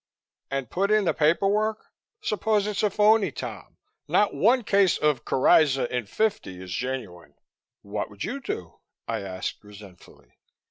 "And put in the paper work? Suppose it's a phony, Tom? Not one case of coryza in fifty is genuine." "What would you do?" I asked resentfully.